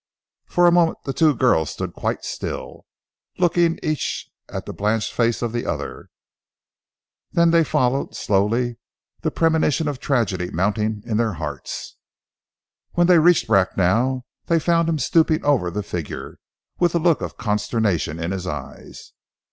For a moment the two girls stood quite still, looking each at the blanched face of the other, then they followed, slowly, the premonition of tragedy mounting in their hearts. When they reached Bracknell they found him stooping over the figure, with a look of consternation in his eyes.